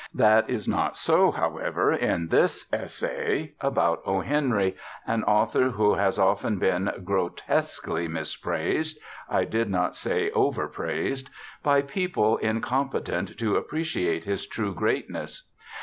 That is not so, however, in this essay about O. Henry, an author who has often been grotesquely mispraised (I did not say overpraised) by people incompetent to appreciate his true greatness.